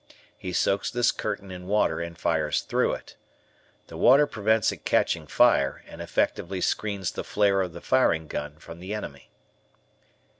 He soaks this curtain in water and fires through it. The water prevents it catching fire and effectively screens the flare of the firing gun from the enemy.